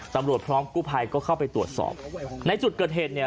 ตำรวจพร้อมกู้ภัยก็เข้าไปตรวจสอบในจุดเกิดเหตุเนี่ย